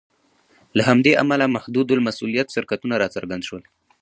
له همدې امله محدودالمسوولیت شرکتونه راڅرګند شول.